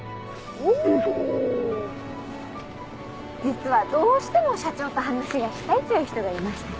実はどうしても社長と話がしたいという人がいまして。